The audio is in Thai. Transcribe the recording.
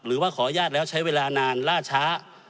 หรือว่าขออนุญาตแล้วใช้เวลานานล่าช้า